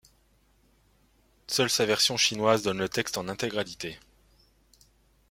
Seule sa version chinoise donne le texte en intégralité.